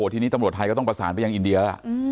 ทีนี้ตำรวจไทยก็ต้องประสานไปยังอินเดียแล้ว